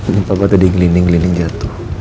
lupa bapak tadi gelinding gelinding jatuh